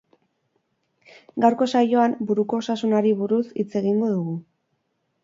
Gaurko saioan buruko osasunari buruz hitz egingo dugu.